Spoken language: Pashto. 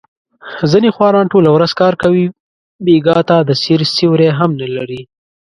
ځنې خواران ټوله ورځ کار کوي، بېګاه ته د سیر سیوری هم نه لري.